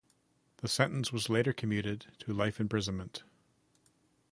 The sentence was later commuted to life imprisonment.